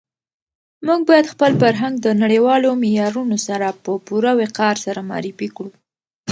موږ باید خپل فرهنګ د نړیوالو معیارونو سره په پوره وقار سره معرفي کړو.